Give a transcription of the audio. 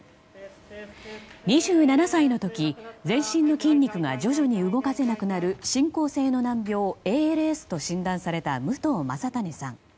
２７歳の時、全身の筋肉が徐々に動かせなくなる進行性の難病ＡＬＳと診断された武藤将胤さん。